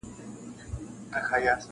بېګا مي خوب کي لیدل لویه تماشه یمه زه-